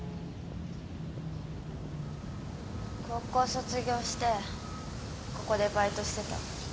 高校卒業してここでバイトしてたの。